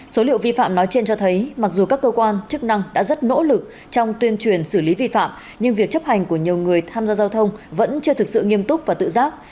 số liệu vi phạm nói trên cho thấy mặc dù các cơ quan chức năng đã rất nỗ lực trong tuyên truyền xử lý vi phạm nhưng việc chấp hành của nhiều người tham gia giao thông vẫn chưa thực sự nghiêm túc và tự giác